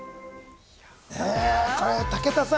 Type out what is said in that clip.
武田さん